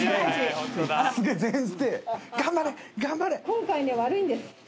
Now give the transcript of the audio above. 今回悪いんです。